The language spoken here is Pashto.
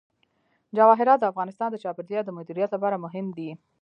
جواهرات د افغانستان د چاپیریال د مدیریت لپاره مهم دي.